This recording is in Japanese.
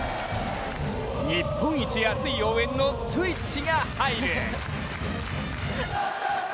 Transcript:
日本一熱い応援のスイッチが入る。